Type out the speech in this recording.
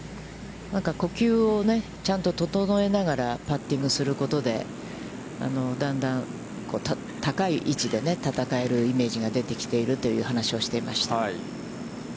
呼吸をちゃんと整えながら、パッティングすることで、だんだん高い位置で戦えるイメージが出てきているという話をしていました。